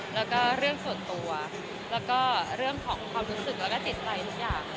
แล้วก็เรื่องส่วนตัวแล้วก็เรื่องของความรู้สึกแล้วก็จิตใจทุกอย่าง